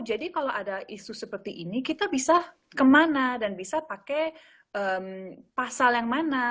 jadi kalau ada isu seperti ini kita bisa kemana dan bisa pakai pasal yang mana